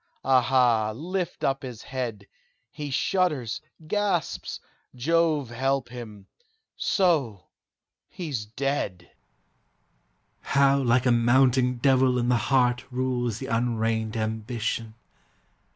Aha! lift up his head! He shudders gasps Jove help him! so he's dead." How like a mounting devil in the heart Rules the unreigned ambition!